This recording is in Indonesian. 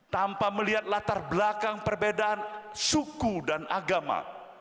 tanpa melihat latar belakang perbedaan suku dan agama